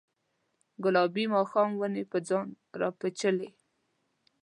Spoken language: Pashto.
ګلابي ماښام ونې پر ځان راپیچلې